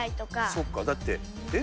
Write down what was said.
そっか、だって、え？